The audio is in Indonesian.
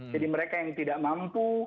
jadi mereka yang tidak mampu